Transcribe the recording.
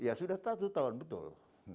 ya sudah satu tahun betul